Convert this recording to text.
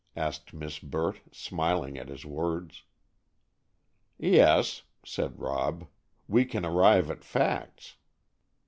asked Miss Burt, smiling at his words. "Yes," said Rob; "we can arrive at facts."